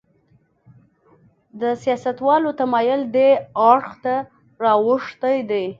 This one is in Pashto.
د سیاستوالو تمایل دې اړخ ته راوښتی دی.